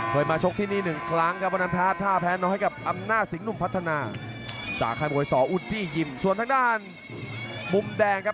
เคยมาชกที่นี่๑ครั้งครับ